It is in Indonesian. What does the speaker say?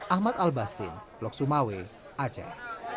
ahmad al bastin lok sumawe aceh